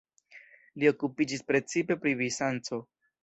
Li okupiĝis precipe pri Bizanco.